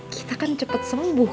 kita kan cepet sembuh